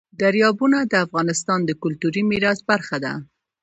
دریابونه د افغانستان د کلتوري میراث برخه ده.